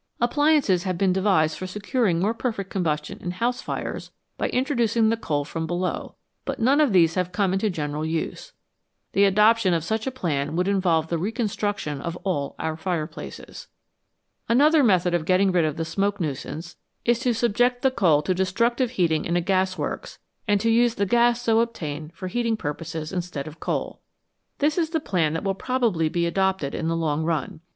Appliances have been devised for securing more perfect combustion in house 1 fires by introducing the coal from below, but none of these have come into general use. The adoption of such a plan would involve the recon struction of all our fireplaces. Another method of getting rid of the smoke nuisance is to subject the coal to destructive heating in a gas works, and to use the gas so obtained for heating pur poses instead of coal. This is the plan that will probably be adopted in the long run.